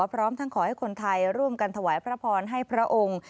พร้อมทั้งขอให้คนไทยร่วมกันถวายพระพรให้พระองค์